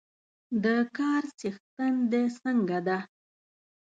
د کار څښتن د څنګه ده؟